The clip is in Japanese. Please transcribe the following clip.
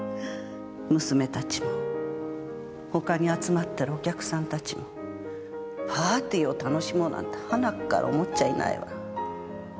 娘たちも他に集まってるお客さんたちもパーティーを楽しもうなんてはなっから思っちゃいないわ。